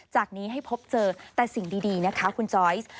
จากนี้ให้พบเจอแต่สิ่งดีนะคะคุณจอยส